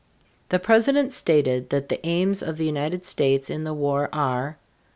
The President stated that the aims of the United States in the war are: 1.